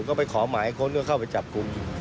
ก็ไปขอหมายค้นก็เข้าไปจับกลุ่ม